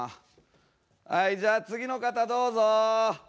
はいじゃあ次の方どうぞ。